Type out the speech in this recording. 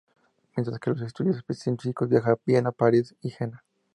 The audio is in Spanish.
Mientras que los estudios científicos viaja a Viena, París y Jena.